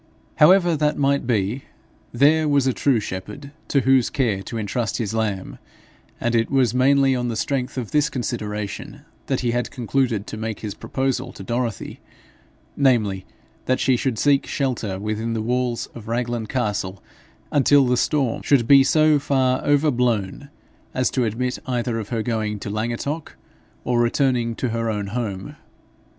However that might be, there was a true shepherd to whose care to entrust his lamb; and it was mainly on the strength of this consideration that he had concluded to make his proposal to Dorothy namely, that she should seek shelter within the walls of Raglan castle until the storm should be so far over blown, as to admit either of her going to Llangattock or returning to her own home.